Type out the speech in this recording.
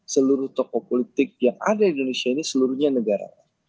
seluruh tokoh politik yang ada di indonesia ini seluruhnya negara